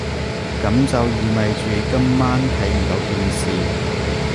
噉就意味住今晚睇唔到電視